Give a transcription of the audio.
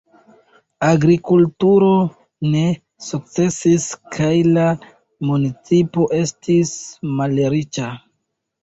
Agrikulturo ne sukcesis kaj la municipo estis malriĉa.